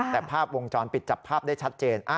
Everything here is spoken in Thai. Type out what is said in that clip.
แต่ภาพวงจรปิดจับภาพได้ชัดเจน